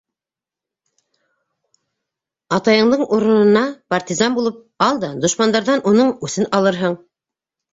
Атайыңдың урынына партизан булып ал да дошмандарҙан уның үсен алырһың.